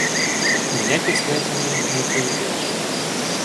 Меня кислятиной не проведешь!